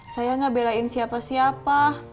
saya gak belain siapa siapa